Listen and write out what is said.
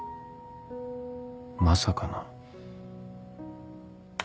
まさかな